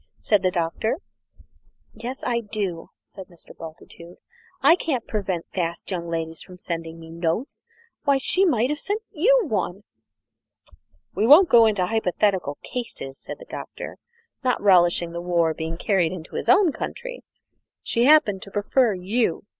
said the Doctor. "Yes, I do," said Mr. Bultitude. "I can't prevent fast young ladies from sending me notes. Why, she might have sent you one!" "We won't go into hypothetical cases," said the Doctor, not relishing the war being carried into his own country; "she happened to prefer you.